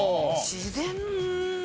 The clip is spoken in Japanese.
自然